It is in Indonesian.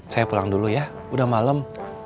saya pulang dulu ya udah malam